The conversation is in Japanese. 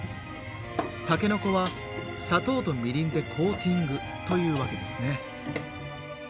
たけのこは砂糖とみりんでコーティングというわけですね。